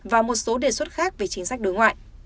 và một số đề xuất khác về chính sách đối ngoại